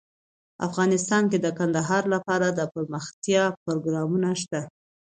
افغانستان کې د کندهار لپاره دپرمختیا پروګرامونه شته.